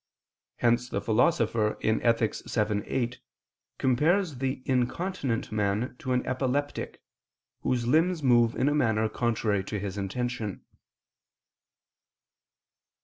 Hence the Philosopher (Ethic. vii, 8) compares the incontinent man to an epileptic, whose limbs move in a manner contrary to his intention.